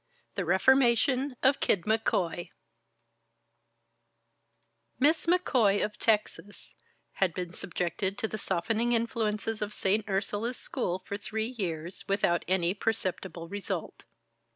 IX The Reformation of Kid McCoy Miss McCoy, of Texas, had been subjected to the softening influences of St. Ursula's School for three years, without any perceptible result.